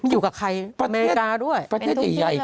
อยู่กับใครอเมริกาด้วยประเทศใหญ่ใหญ่